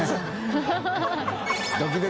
ハハハ